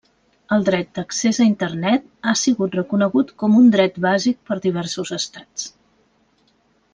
El Dret d'accés a Internet ha sigut reconegut com un dret bàsic per diversos Estats.